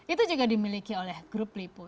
itu juga dimiliki oleh grup lipo